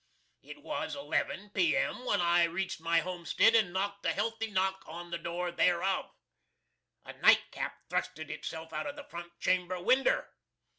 It was 11, P.M., when I reached my homestid and knockt a healthy knock on the door thereof. A nightcap thrusted itself out of the front chamber winder.